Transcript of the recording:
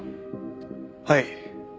はい。